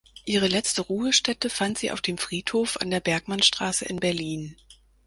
Ihre letzte Ruhestätte fand sie auf dem Friedhof an der Bergmannstraße in Berlin.